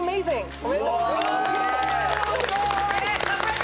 ありがとうございます。